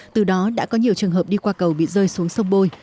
từ đó đã có nhiều trường hợp đi qua cầu bị rơi xuống sông bôi